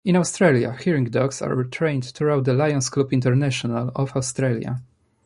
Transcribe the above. In Australia, hearing dogs are trained through the Lions Club International of Australia.